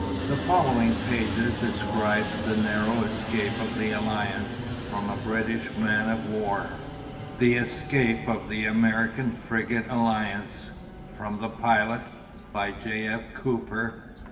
The following pages describe the narrow escape of the Alliance from a British man of war. THE ESCAPE OF THE AMERICAN FRIGATE ALLIANCE (From the Pilot.) By J. F. COOPER.